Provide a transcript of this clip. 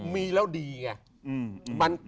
มีแล้วดีไง